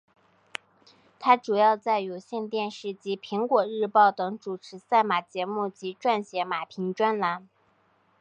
她主要在有线电视及苹果日报等主持赛马节目及撰写马评专栏。